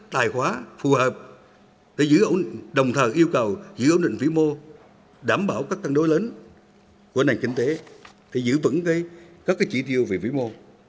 tài khoá phù hợp đồng thời yêu cầu giữ ổn định vĩ mô đảm bảo các tăng đối lớn của nền kinh tế giữ vững các trị tiêu về vĩ mô